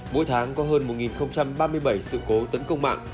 mỗi tháng có hơn một ba mươi bảy sự cố tấn công mạng